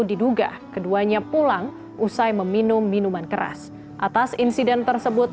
diduga keduanya pulang usai meminum minuman keras atas insiden tersebut